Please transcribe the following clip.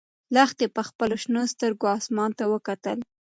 لښتې په خپلو شنه سترګو اسمان ته وکتل.